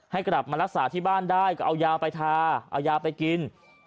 ให้กลับมารักษาที่บ้านได้ก็เอายาไปทาเอายาไปกิน